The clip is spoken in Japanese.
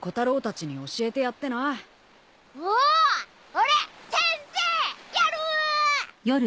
俺先生やる！